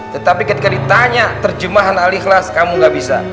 tetapi ketika ditanya terjemahan al ikhlas kamu gak bisa